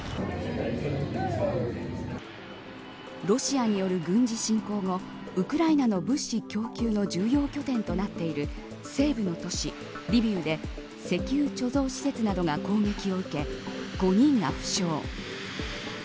ロシアによる軍事侵攻後ウクライナの物資供給の重要拠点となっている西部の都市リビウで石油貯蔵施設などが攻撃を受け５人が負傷。